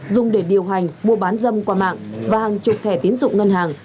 dùng để điều hành mua bán dâm qua mạng và hàng chục thẻ tiến dụng ngân hàng